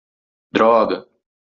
Droga!